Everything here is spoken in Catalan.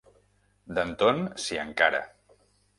Danton s'hi encara.